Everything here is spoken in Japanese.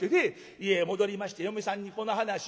家へ戻りまして嫁さんにこの話をする。